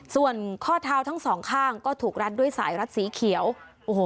ส่วนข้อเท้าทั้งสองข้างก็ถูกรัดด้วยสายรัดสีเขียวโอ้โห